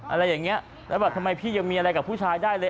อะไรอย่างเงี้ยแล้วแบบทำไมพี่ยังมีอะไรกับผู้ชายได้เลย